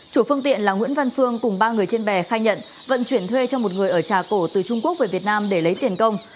chủ phương tiện là nguyễn văn phương cùng ba người trên bè khai nhận vận chuyển thuê cho một người ở trà cổ từ trung quốc về việt nam để lấy tiền công